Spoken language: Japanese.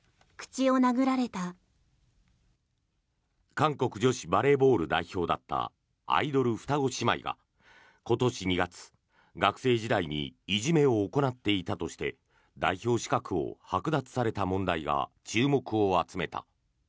韓国女子バレーボール代表だったアイドル双子姉妹が今年２月学生時代にいじめを行っていたとして代表資格をはく奪された問題が注目を集めた。